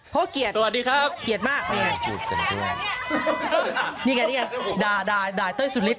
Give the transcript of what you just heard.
เพราะเกียรติเกียรติมากนี่ไงด่าต้อยสุริทธิ์